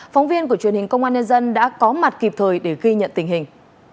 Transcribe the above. phóng viên của truyền hình công an nhân dân đã có mặt kịp thời để ghi nhận tình hình